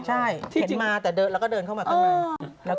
ใช่เห็นมาแต่แล้วก็เดินเข้ามาข้างใน